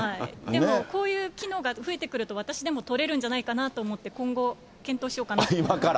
でもこういう機能が増えてくると、私でも取れるんじゃないかなと思って、今後、検討しようかなと思っています。